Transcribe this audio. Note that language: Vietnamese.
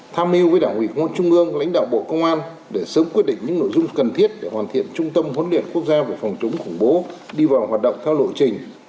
tham mưu với đảng ủy công an trung ương lãnh đạo bộ công an để sớm quyết định những nội dung cần thiết để hoàn thiện trung tâm huấn luyện quốc gia về phòng chống khủng bố đi vào hoạt động theo lộ trình